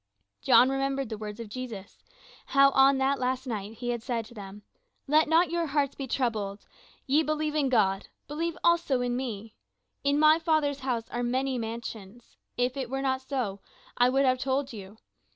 John remembered the words of Jesus how on that last night he had said to them, "Let not your hearts be troubled; ye believe in God, believe also in me. In my Father's house are many mansions; if it were not so, I would have told you.